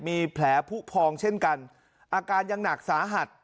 มีแผลผู้พองเช่นกันอาการยังหนักสาหัส